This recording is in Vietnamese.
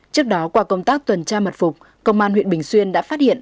trước đó qua công tác tuần tra mật phục công an huyện bình xuyên đã phát hiện